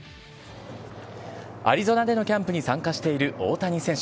アリゾナでのキャンプに参加している大谷選手。